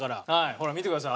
ほら見てください。